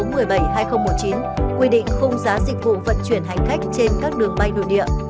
quy định khung giá dịch vụ vận chuyển hành khách trên các đường bay nội địa